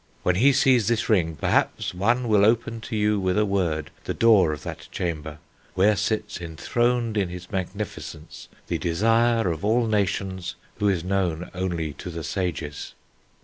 When he sees this ring, perhaps one will open to you with a word the door of that chamber, where sits enthroned in his magnificence the Desire of all Nations, who is known only to the Sages.'